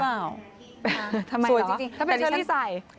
ทำไมหรือถ้าเป็นเชอรี่ใส่